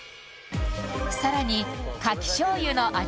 さらにかき醤油の味